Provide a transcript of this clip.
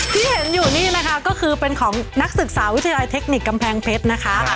ที่เห็นอยู่นี่นะคะก็คือเป็นของนักศึกษาวิทยาลัยเทคนิคกำแพงเพชรนะคะ